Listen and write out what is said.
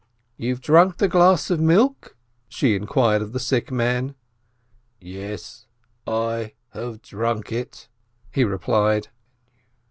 "You've drunk the glass of milk?" she inquired of the sick man. "Yes ... I have ... drunk it," he replied.